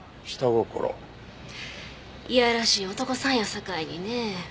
いやらしい男さんやさかいにねえ。